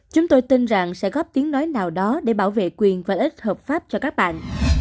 chúng tôi tin rằng sẽ góp tiếng nói nào đó để bảo vệ quyền và ích hợp pháp cho các bạn